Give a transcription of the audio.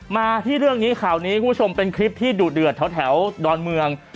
มาที่เรื่องนี้ข่าวนี้คุณผู้ชมเป็นคลิปที่ดุเดือดแถวดอนเมือง